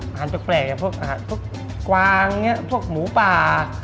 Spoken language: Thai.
อาหารเจ้าแปลกอย่างพวกอาหารพวกกวางเนี่ยพวกหมูป่า